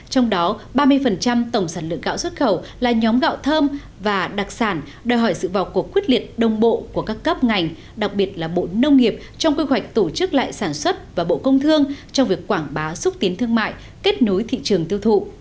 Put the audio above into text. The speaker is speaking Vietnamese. trong đó ba mươi tổng sản lượng gạo xuất khẩu là nhóm gạo thơm và đặc sản đòi hỏi sự vọc cuộc quyết liệt đồng bộ của các cấp ngành đặc biệt là bộ nông nghiệp trong quy hoạch tổ chức lại sản xuất và bộ công thương trong việc quảng bá xúc tiến thương mại kết nối thị trường tiêu thụ